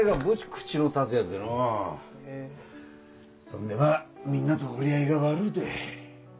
そんでまぁみんなと折り合いが悪うて。